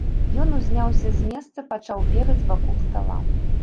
Ён узняўся з месца, пачаў бегаць вакол стала.